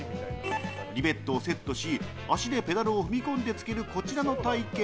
リベットをセットし足でペダルを踏み込んでできる体験。